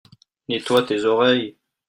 Nettoie tes oreilles.